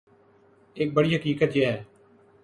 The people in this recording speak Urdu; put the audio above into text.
ایک بڑی حقیقت یہ ہے